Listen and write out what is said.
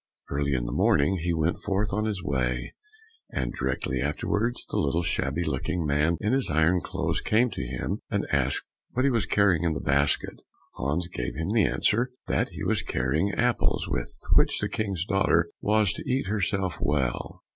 Early in the morning, he went forth on his way, and directly afterwards the little shabby looking man in his iron clothes, came to him and asked what he was carrying in the basket. Hans gave him the answer that he was carrying apples with which the King's daughter was to eat herself well.